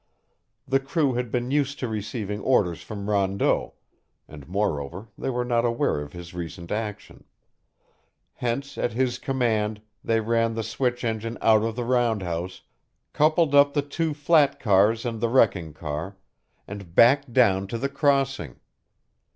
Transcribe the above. The crew had been used to receiving orders from Rondeau, and moreover they were not aware of his recent action; hence at his command they ran the switch engine out of the roundhouse, coupled up the two flat cars and the wrecking car, and backed down to the crossing.